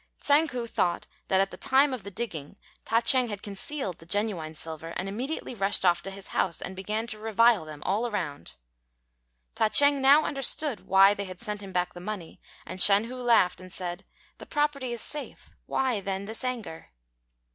Tsang ku thought that at the time of the digging Ta ch'êng had concealed the genuine silver, and immediately rushed off to his house, and began to revile them all round. Ta ch'êng now understood why they had sent him back the money; and Shan hu laughed and said, "The property is safe; why, then, this anger?"